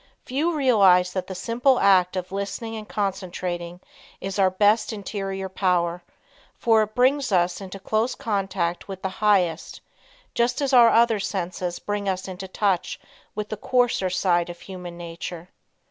Few realize that the simple act of listening and concentrating is our best interior power, for it brings us into close contact with the highest, just as our other senses bring us into touch with the coarser side of human nature.